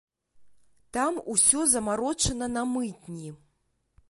Там усё замарочана на мытні.